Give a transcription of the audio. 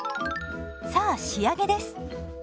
さあ仕上げです。